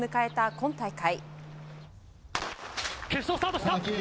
今大会。